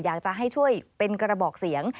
อยากจะให้ช่วยเป็นกระบอกเสียง